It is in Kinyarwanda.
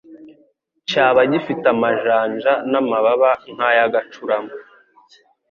cyaba gifite amajanja n’amababa nk’ay’agacurama.